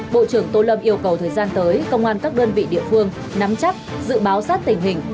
bộ trưởng tô lâm yêu cầu thời gian tới công an các đơn vị địa phương nắm chắc dự báo sát tình hình